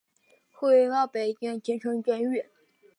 后移到北京秦城监狱。